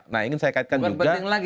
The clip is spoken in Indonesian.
nah ingin saya kaitkan juga